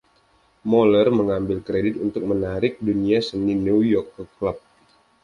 Moller mengambil kredit untuk menarik dunia seni New York ke klub.